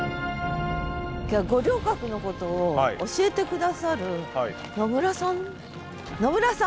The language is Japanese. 五稜郭のことを教えて下さる野村さん野村さん？